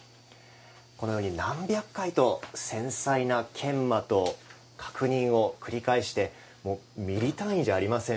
何百回と繊細な研磨と確認を繰り返してもうミリ単位じゃありません。